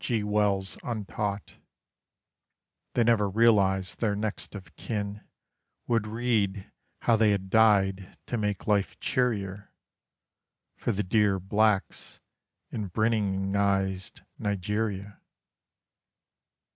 G. Wells untaught, They never realized their next of kin Would read how they had died to make life cheerier For the dear blacks in Briningized Nigeria.